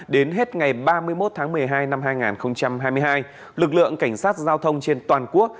đến hết ngày ba mươi một tháng một mươi hai năm hai nghìn hai mươi hai lực lượng cảnh sát giao thông trên toàn quốc